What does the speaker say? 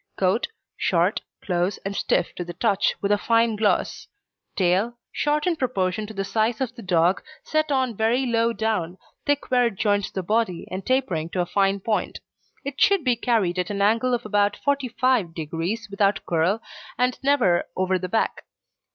COAT Short, close, and stiff to the touch, with a fine gloss. TAIL Short in proportion to the size of the dog, set on very low down, thick where it joins the body, and tapering to a fine point. It should be carried at an angle of about 45 degrees, without curl, and never over the back.